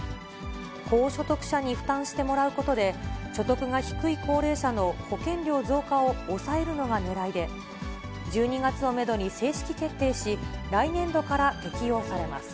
高所得者に負担してもらうことで、所得が低い高齢者の保険料増加を抑えるのがねらいで、１２月をメドに正式決定し、来年度から適用されます。